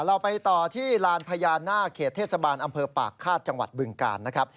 เราไปต่อที่ลานพญานาคเขตเทศบาลอำเภอปากฆาตจังหวัดบึงกาลนะครับ